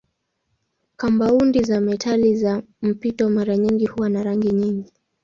Kampaundi za metali za mpito mara nyingi huwa na rangi nyingi.